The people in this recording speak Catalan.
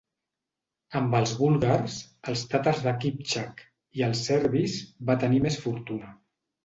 Amb els búlgars, els tàtars de Kiptxak i els serbis va tenir més fortuna.